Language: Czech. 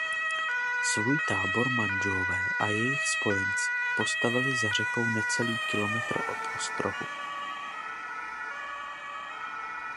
Svůj tábor Mandžuové a jejich spojenci postavili za řekou necelý kilometr od ostrohu.